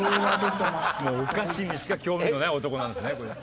お菓子にしか興味のない男なんですね。